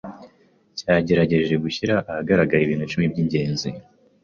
cyagerageje gushyira ahagaragara ibintu icumi by’ingenzi